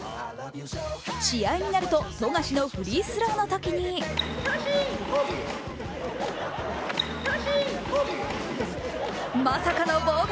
試合になると富樫のフリースローのときにまさかの妨害。